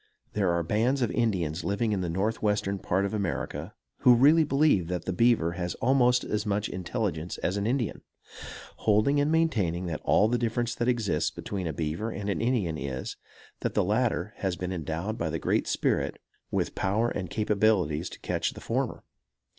There are bands of Indians living in the Northwestern part of America who really believe that the beaver has almost as much intelligence as an Indian, holding and maintaining that all the difference that exists between a beaver and an Indian, is, that the latter has been endowed by the Great Spirit with power and capabilities to catch the former.